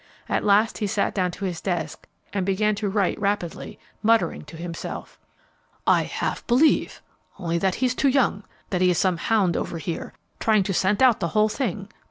At last he sat down to his desk and began to write rapidly, muttering to himself, "I half believe only that he's too young that he is some hound over here trying to scent out the whole thing.